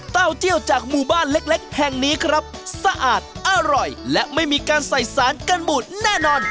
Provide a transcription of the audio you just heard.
เต้าเจี่ยวจากหมู่บ้านเล็กแห่งนี้ครับสะอาดอร่อยและไม่มีการใส่สารกันบูดแน่นอน